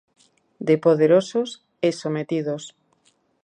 De poderosos e sometidos.